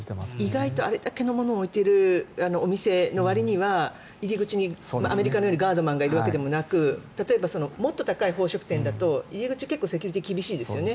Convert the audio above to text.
意外とあれだけのものを置いているお店のわりには入り口にアメリカのようにガードマンがいるわけでもなく例えばもっと高い宝飾店だと入り口セキュリティー厳しいですよね。